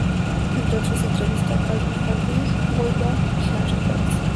Entre otros entrevistó a Calvin Coolidge, Huey Long, y Henry Wallace.